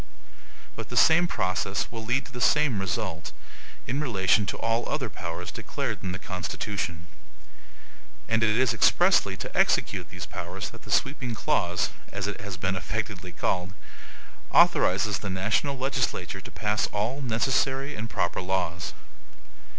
But the same process will lead to the same result, in relation to all other powers declared in the Constitution. And it is EXPRESSLY to execute these powers that the sweeping clause, as it has been affectedly called, authorizes the national legislature to pass all NECESSARY and PROPER laws.